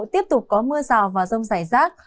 tiếp tục có mưa rào và rông rải rác